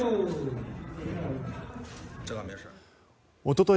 おととい